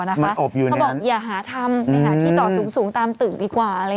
เขาบอกอย่าหาที่เจาะสูงตามตึกดีกว่าเลย